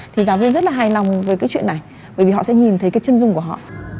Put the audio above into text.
thì giáo viên rất là hài lòng với cái chuyện này bởi vì họ sẽ nhìn thấy cái chân dung của họ